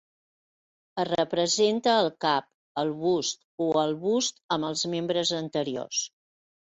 Es representa el cap, el bust o el bust amb els membres anteriors.